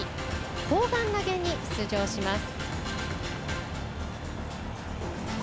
砲丸投げに出場します。